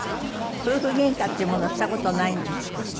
夫婦ゲンカっていうものをした事ないんですって？